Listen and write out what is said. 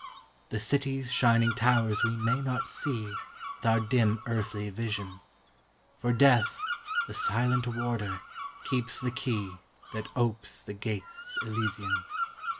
The city's shining towers we may not see With our dim earthly vision, For Death, the silent warder, keeps the key That opes the gates elysian.